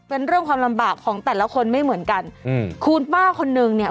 เป็นเรื่องความลำบากของแต่ละคนไม่เหมือนกันอืมคุณป้าคนนึงเนี่ย